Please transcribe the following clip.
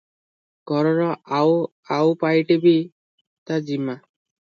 ଘରର ଆଉ ଆଉ ପାଇଟି ବି ତା ଜିମା ।